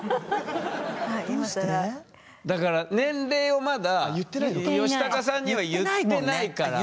だから年齢をまだヨシタカさんには言ってないから。